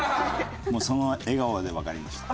もうその笑顔でわかりました。